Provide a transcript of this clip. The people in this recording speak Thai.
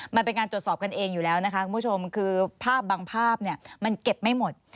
มันเป็นการจดสอบกันเองอยู่แล้วคุณผู้ชมคือภาพบางภาพมันเก็บไม่หมด